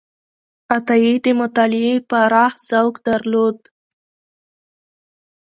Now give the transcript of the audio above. عطایي د مطالعې پراخ ذوق درلود.